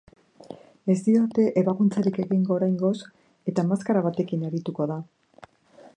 Ez diote ebakuntzarik egingo oraingoz eta maskara batekin arituko da.